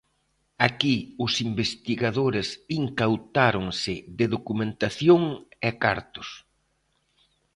Aquí os investigadores incautáronse de documentación e cartos.